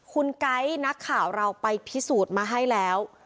คุณไก๊นักข่าวเราไปพิสูจน์มาให้แล้ว